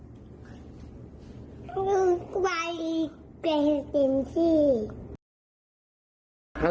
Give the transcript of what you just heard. ต้องซื้อใบเตรียมที่